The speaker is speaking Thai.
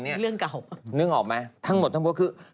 นึกออกไหมทั้งหมดทั้งปวง